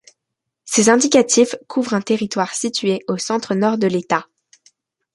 Ces indicatifs couvrent un territoire situé au centre-nord de l'État.